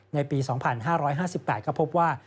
ในปี๒๕๕๘ก็พบว่า